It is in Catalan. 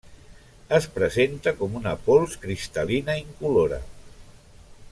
Es presenta com una pols cristal·lina incolora.